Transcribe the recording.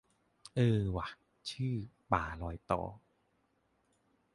เออว่ะ ชื่อ ป่ารอยต่อ